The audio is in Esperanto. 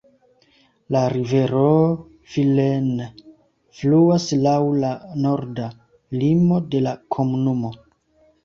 La rivero Vilaine fluas laŭ la norda limo de la komunumo.